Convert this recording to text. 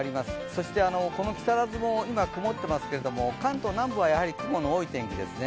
そしてこの木更津も今、曇ってますけれども関東南部はやはり雲の多い天気ですね。